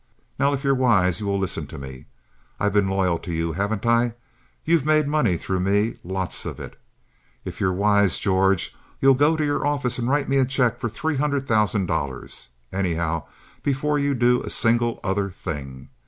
Now if you're wise you will listen to me. I've been loyal to you, haven't I? You've made money through me—lots of it. If you're wise, George, you'll go to your office and write me your check for three hundred thousand dollars, anyhow, before you do a single other thing.